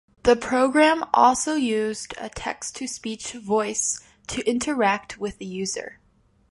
The program also used a text to speech voice to interact with the user.